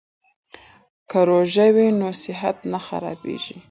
که روژه وي نو صحت نه خرابیږي.